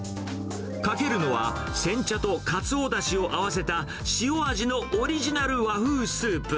かけるのは、煎茶とカツオだしを合わせた塩味のオリジナル和風スープ。